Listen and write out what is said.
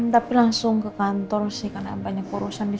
tapi langsung ke kantor sih karena banyak urusan di sini